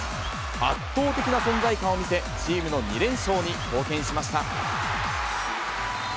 圧倒的な存在感を見せ、チームの２連勝に貢献しました。